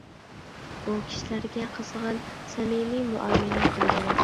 ئۇ كىشىلەرگە قىزغىن، سەمىمىي مۇئامىلە قىلىدۇ.